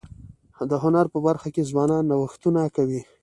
د هنر په برخه کي ځوانان نوښتونه کوي.